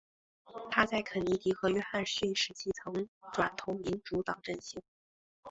她在肯尼迪和约翰逊时期曾转投民主党阵型。